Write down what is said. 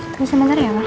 bisa sebentar ya pak